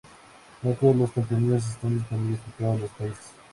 No todos los contenidos están disponibles en todos los países.